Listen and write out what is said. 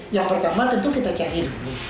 yang pertama tentu kita cari dulu